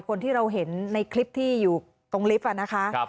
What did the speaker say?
คนที่เราเห็นในคลิปที่อยู่ตรงลิฟต์นะคะ